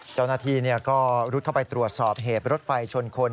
เจ้าหน้าที่ก็รุดเข้าไปตรวจสอบเหตุรถไฟชนคน